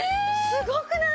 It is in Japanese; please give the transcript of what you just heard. すごくない？